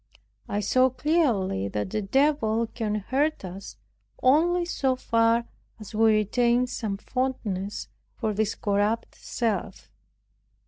I saw clearly that the devil cannot hurt us only so far as we retain some fondness for this corrupt self.